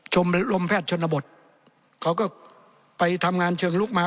ลมแพทย์ชนบทเขาก็ไปทำงานเชิงลุกมา